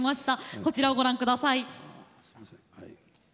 こちらをご覧ください。